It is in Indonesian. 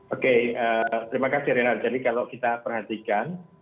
oke terima kasih renar jadi kalau kita perhatikan